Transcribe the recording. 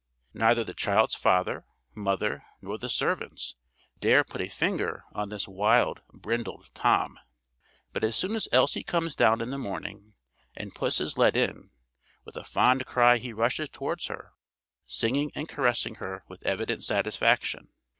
Neither the child's father, mother, nor the servants, dare put a finger on this wild brindled Tom; but as soon as Elsie comes down in the morning, and puss is let in, with a fond cry he rushes towards her, singing and caressing her with evident satisfaction.